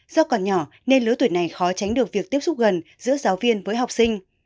do còn nhỏ nên lứa tuổi này khó tránh được việc tiếp xúc gần giữa giáo viên với học sinh